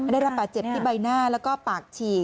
ได้รับบาดเจ็บที่ใบหน้าแล้วก็ปากฉีก